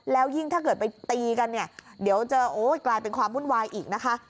แล้วยิ่งถ้าเกิดไปตีกันเนี่ยเดี๋ยวจะโอ๊ยกลายเป็นความวุ่นวายอีกนะคะ